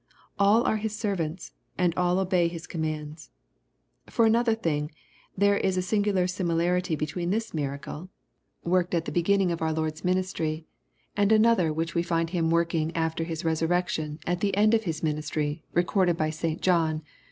AH are His ser vants, and all obey His commands. — ^For another thing, there is a singular similarity between this miracle. LUKE, CHAP. V. 131 worked at the beginning of our Lord's ministry, and another which we find Him working after His resur rection, at the end of His ministry, recorded by St. John.